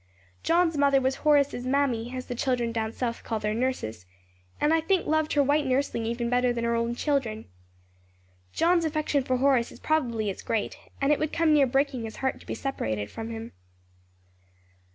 "John's mother was Horace's 'mammy' as the children down south call their nurses; and I think loved her white nursling even better than her own children. "John's affection for Horace is probably as great, and it would come near breaking his heart to be separated from him."